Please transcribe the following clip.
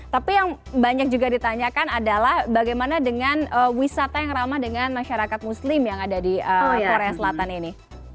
tapi yang banyak juga ditanyakan adalah bagaimana dengan wisata yang ramah dengan masyarakat muslim yang ada di korea selatan ini